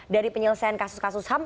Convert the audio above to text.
dari penyelesaian kasus kasus ham